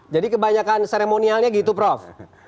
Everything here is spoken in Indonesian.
jadi kebanyakan seremonialnya gitu prof